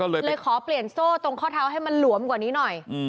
เลยขอเปลี่ยนโซ่ตรงข้อเท้าให้มันหลวมกว่านี้หน่อย